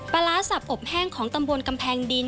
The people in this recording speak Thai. ปลาร้าสับอบแห้งของตำบลกำแพงดิน